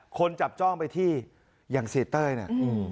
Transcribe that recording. คนจับจ้องไปที่อย่างเสียเต้ยเนี่ย